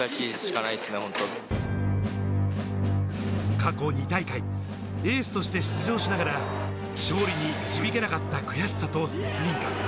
過去２大会、エースとして出場しながら勝利に導けなかった悔しさと責任感。